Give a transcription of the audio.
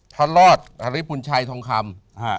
พระรอดฮริปุญชัยทองคำ